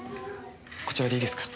こちらでいいですか？